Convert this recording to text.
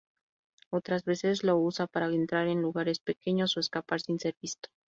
Otras veces lo usa para entrar en lugares pequeños o escapar sin ser visto.